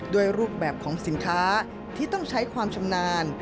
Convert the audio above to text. รูปแบบของสินค้าที่ต้องใช้ความชำนาญ